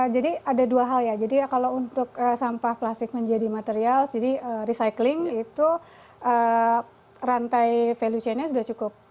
jadi ada dua hal ya jadi kalau untuk sampah plastik menjadi material jadi recycling itu rantai value chainnya sudah cukup